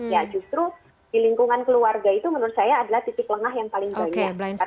ya justru di lingkungan keluarga itu menurut saya adalah titik lengah yang paling banyak